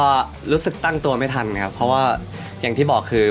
ก็รู้สึกตั้งตัวไม่ทันครับเพราะว่าอย่างที่บอกคือ